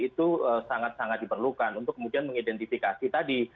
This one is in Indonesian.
itu sangat sangat diperlukan untuk kemudian mengidentifikasi tadi